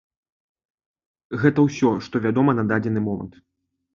Гэта ўсё, што вядома на дадзены момант.